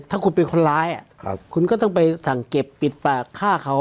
ถ้าคุณเป็นคนร้ายคุณก็ต้องไปสั่งเก็บปิดปากฆ่าเขา